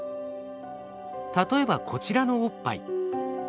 例えばこちらのおっぱい。